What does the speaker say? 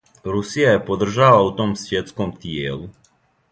Русија је подржава у том свјетском тијелу.